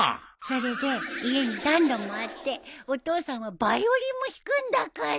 それで家に暖炉もあってお父さんはバイオリンも弾くんだから。